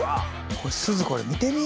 これすずこれ見てみ！